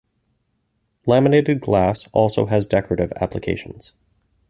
Laminated glass also has decorative applications.